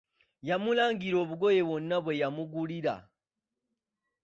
Yamulangira obugoye bwonna bwe yamugulira.